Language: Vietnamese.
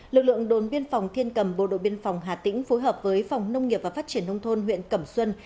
lực lượng đồn biên phòng thiên cầm bộ đội biên phòng hà tĩnh phối hợp với phòng nông nghiệp và phát triển nông thôn huyện cẩm xuân